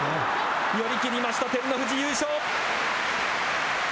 寄り切りました、照ノ富士優勝。